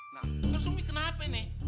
nah terus umi kenapa ini